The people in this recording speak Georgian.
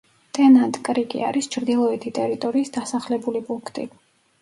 ტენანტ-კრიკი არის ჩრდილოეთი ტერიტორიის დასახლებული პუნქტი.